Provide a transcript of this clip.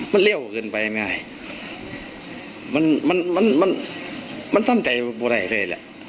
มันเลี่ยวกว่าเกินไปไม่งานมันมันมันมันต้ำใจปวดล่ะ